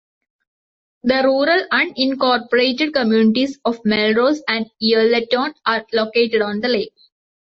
The rural unincorporated communities of Melrose and Earleton are located on the lake.